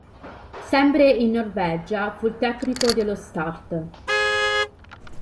Sempre in Norvegia, fu il tecnico dello Start.